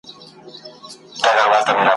پر بنده باندي هغه ګړی قیامت وي `